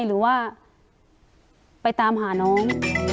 หรือว่าไปตามหาน้อง